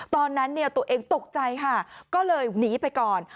ตอนนั้นตัวเองตกใจค่ะก็เลยหนีไปก่อน